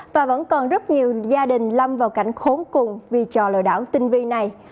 và vẫn còn rất nhiều gia đình lâm vào cảnh khốn cùng vì trò lừa đảo tinh vi này